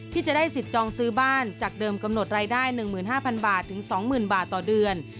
ที่จะได้สิทธิ์จองซื้อบ้านจากเดิมกำหนดรายได้๑๕๐๐บาทถึง๒๐๐๐บาทต่อเดือน